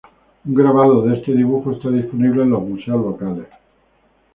Un grabado de este dibujo está disponible en los museos locales.